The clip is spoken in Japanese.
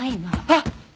あっ！